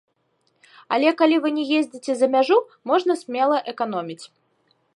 Але калі вы не ездзіце за мяжу, можна смела эканоміць.